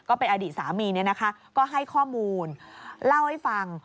ก็เป็นอดีตสามีเนี่ยนะคะก็ให้ข้อมูลเล่าให้ฟัง